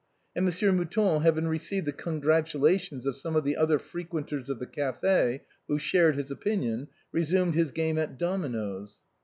And Monsieur Mouton having received the congratu lations of some of the other frequenters of the café who shared his opinion, resumed his game at dominoes.